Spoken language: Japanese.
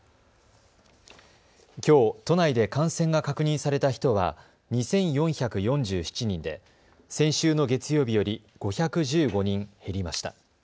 きょう都内で感染が確認された人は２４４７人で先週の月曜日より５１５人減りました。